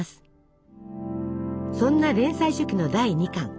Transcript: そんな連載初期の第２巻。